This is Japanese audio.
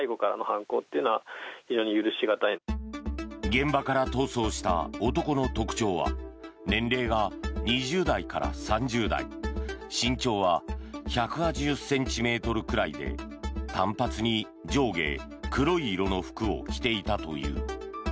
現場から逃走した男の特徴は年齢が２０代から３０代身長は１８０ｃｍくらいで短髪に上下黒い色の服を着ていたという。